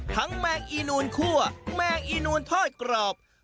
ทั้งแมงอีนูลคั่วแมงอีนูลถ้อยกรอบ